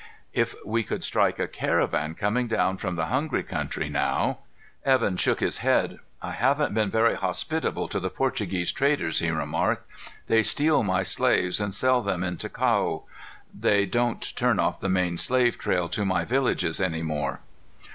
If we could strike a caravan coming down from the Hungry Country, now " Evan shook his head. "I haven't been very hospitable to the Portuguese traders," he remarked. "They steal my slaves and sell them in Ticao. They don't turn off the main slave trail to my villages any more."